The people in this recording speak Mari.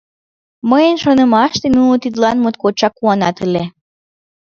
Мыйын шонымаште, нуно тидлан моткочак куанат ыле.